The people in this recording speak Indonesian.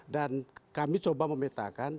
dan kami coba memetakan